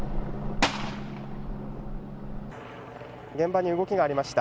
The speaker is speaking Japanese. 現場に動きがありました。